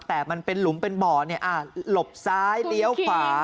แต่มันเป็นหลุมเป็นบ่อหลบซ้ายเลี้ยวขวา